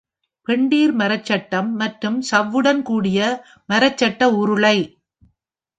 “பெண்டிர்” மரச்சட்டம் மற்றும் சவ்வுடன் கூடிய மரச்சட்ட உருளை.